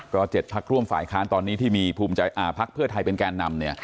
๗พักร่วมฝ่ายค้านตอนนี้ที่มีภูมิใจพักเพื่อไทยเป็นแกนนำ